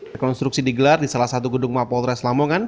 rekonstruksi digelar di salah satu gedung mapolres lamongan